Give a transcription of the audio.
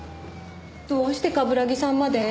どうして冠城さんまで？